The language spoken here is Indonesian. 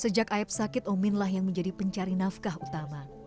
sejak aib sakit ominlah yang menjadi pencari nafkah utama